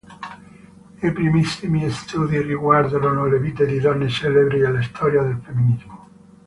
I primissimi studi riguardarono le vite di donne celebri o la storia del femminismo.